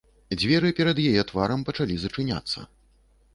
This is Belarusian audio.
Дзверы перад яе тварам пачалі зачыняцца.